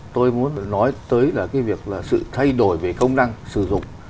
tôi muốn nói tới là cái việc là sự thay đổi về công năng sử dụng